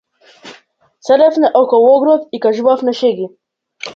Седевме околу огнот и кажувавме шеги.